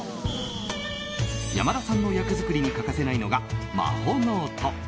山田さんの役作りに欠かせないのがマホノート。